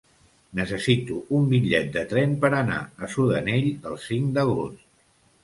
Necessito un bitllet de tren per anar a Sudanell el cinc d'agost.